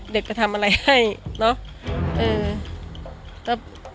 เด็กเขาทำอะไรให้เนาะ